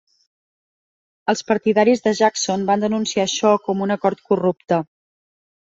Els partidaris de Jackson van denunciar això com un acord corrupte.